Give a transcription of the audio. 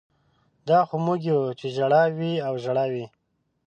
دا خو موږ یو چې ژړا وي او ژړا وي